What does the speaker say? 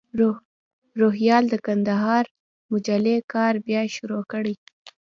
روهیال د کندهار مجلې کار بیا شروع کړی.